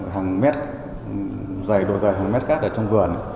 hàng mét dày độ dày hàng mét cắt ở trong vườn